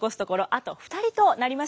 あと２人となりました。